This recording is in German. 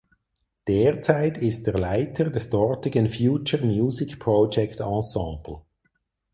Derzeit ist er Leiter des dortigen "Future Music Project Ensemble".